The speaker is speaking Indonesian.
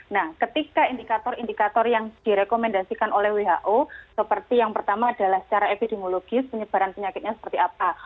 nah ketika indikator indikator yang direkomendasikan oleh who seperti yang pertama adalah secara epidemiologis penyebaran penyakitnya seperti apa